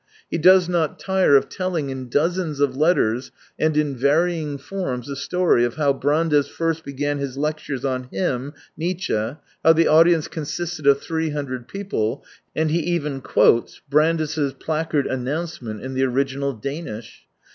He does not tire of telling in dozens of letters and in varying forms the story of how Brandes first began his lectures on him, Nietzsche, how the audience con sisted of three hundred people, and he even quotes Brandes' placard announcement in the original Danish.